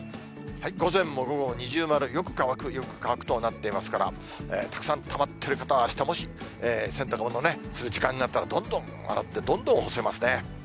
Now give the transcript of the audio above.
午前も午後も二重丸、よく乾く、よく乾くとなっていますから、たくさんたまってる方はあした、もし洗濯物する時間があったら、どんどん洗って、どんどん干せますね。